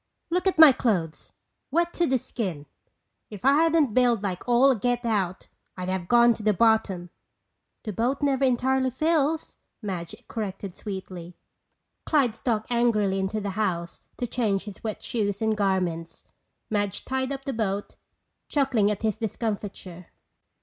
Look at my clothes—wet to the skin. If I hadn't bailed like all get out I'd have gone to the bottom." "The boat never entirely fills," Madge corrected sweetly. Clyde stalked angrily into the house to change his wet shoes and garments. Madge tied up the boat, chuckling at his discomfiture.